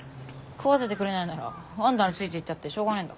食わせてくれないならあんたについていったってしょうがないんだ。